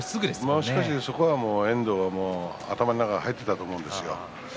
そこは遠藤は頭の中に入っていたと思うんですよ。